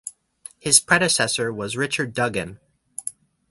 His predecessor was Richard Dugan.